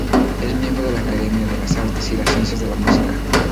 Es miembro de la Academia de las Artes y las Ciencias de la Música.